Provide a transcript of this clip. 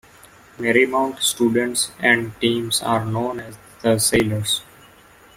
Marymount students and teams are known as the Sailors.